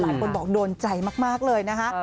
หลายคนบอกโดนใจมากเลยนะคะ